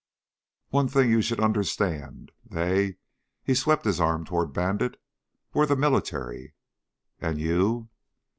"One thing you should understand. They," he swept his arm toward Bandit, "were the military." "And you?"